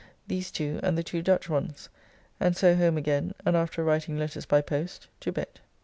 these two and the two Dutch ones. And so home again, and after writing letters by post, to bed.